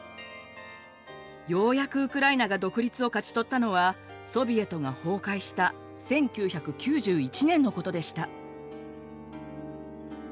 ようやくウクライナが独立を勝ち取ったのはソビエトが崩壊した１９９１年のことでした。